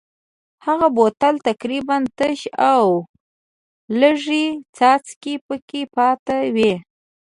هغه بوتل تقریبا تش و او لږې څاڅکې پکې پاتې وې.